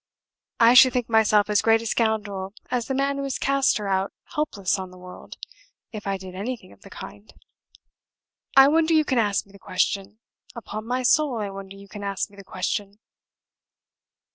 I should think myself as great a scoundrel as the man who has cast her out helpless on the world, if I did anything of the kind. I wonder you can ask me the question upon my soul, I wonder you can ask me the question!"